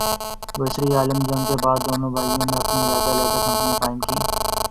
وسری عالمی جنگ کے بعد دونوں بھائیوں نے اپنی علیحدہ علیحدہ کمپنیاں قائم کیں-